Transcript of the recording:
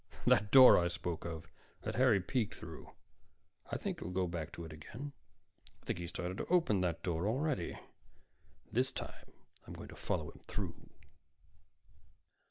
"That door I spoke of that Harry peeked through, I think he'll go back to it again. I think he's started to open that door already. And this time I'm going to follow him through."